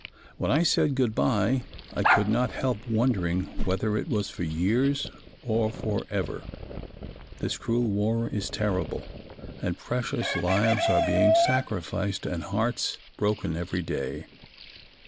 When I said good bye I could not help wondering whether it was for years, or forever. This cruel war is terrible and precious lives are being sacrificed and hearts broken every day.